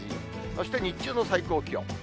そして日中の最高気温。